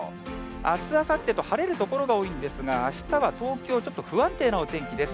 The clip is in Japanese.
あす、あさってと晴れる所が多いんですが、あしたは東京、ちょっと不安定なお天気です。